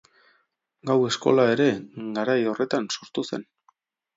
Gau-eskola ere garai horretan sortu zen.